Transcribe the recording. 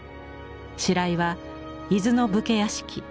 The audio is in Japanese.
白井は伊豆の武家屋敷